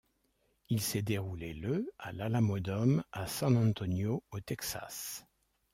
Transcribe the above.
Il s'est déroulé le à l'Alamodome, à San Antonio au Texas.